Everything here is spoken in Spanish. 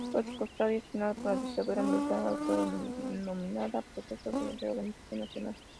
Fue secuestrado y asesinado por la dictadura militar autodenominada Proceso de Reorganización Nacional.